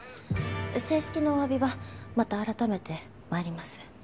正式なお詫びはまた改めて参ります。